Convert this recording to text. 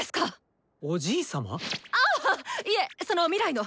あいえその未来の！